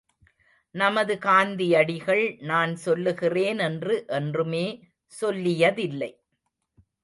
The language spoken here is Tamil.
நமது காந்தியடிகள் நான் சொல்லுகிறேன் என்று என்றுமே சொல்லியதில்லை.